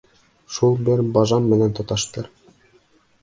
Шул бер бажам менән тоташтыр!